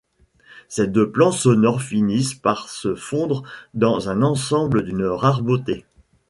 Ces deux plans sonores finissent par se fondre dans un ensemble d'une rare beauté.